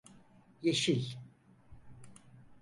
Yeşil?